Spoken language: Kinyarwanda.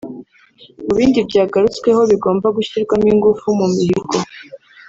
Mu bindi byagarutsweho bigomba gushyirwamo ingufu mu mihigo